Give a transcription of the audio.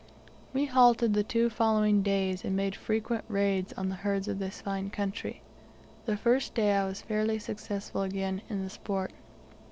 We halted the two following days, and made frequent raids on the herds of this fine country. The first day I was fairly successful again in the sport.